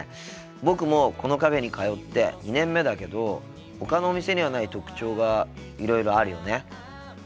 僕もこのカフェに通って２年目だけどほかのお店にはない特徴がいろいろあるよね。